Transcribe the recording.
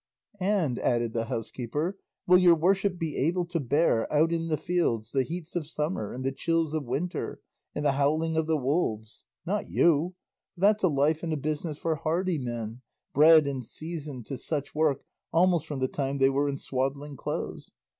'" "And," added the housekeeper, "will your worship be able to bear, out in the fields, the heats of summer, and the chills of winter, and the howling of the wolves? Not you; for that's a life and a business for hardy men, bred and seasoned to such work almost from the time they were in swaddling clothes.